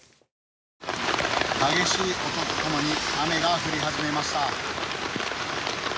激しい音とともに雨が降り始めました。